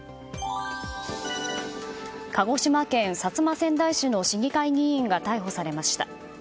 鹿児島県薩摩川内市の市議会議員が逮捕されました。